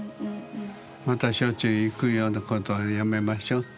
またしょっちゅう行くようなことはやめましょうって。